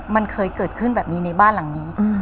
มันเคยเกิดขึ้นแบบนี้ในบ้านหลังนี้